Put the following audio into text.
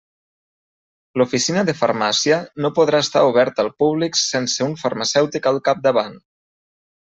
L'oficina de farmàcia no podrà estar oberta al públic sense un farmacèutic al capdavant.